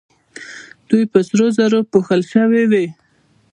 دوی په سرو زرو پوښل شوې وې